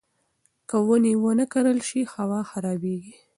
که ونې ونه کرل شي، هوا خرابېږي.